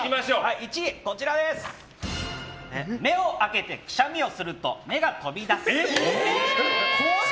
１位は、目を開けたままくしゃみをすると目が飛び出す。